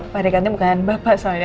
pak dekannya bukan bapak saya